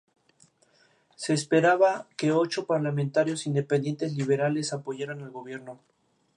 Se esperaba que ocho parlamentarios "independientes liberales" apoyaran al gobierno.